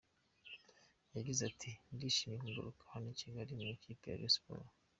Yagize ati “ Ndishimye kugaruka hano i Kigali mu ikipe ya Rayon Sports.